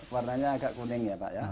warnanya agak kuning ya pak ya